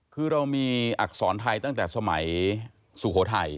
คือเรามีอักษรไทยตั้งแต่สมัยสุโขทัย